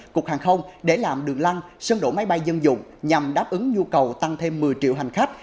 cục hàng không để làm đường lăng sân đổ máy bay dân dụng nhằm đáp ứng nhu cầu tăng thêm một mươi triệu hành khách